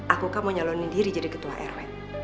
aku kan mau nyelonin diri jadi ketua rw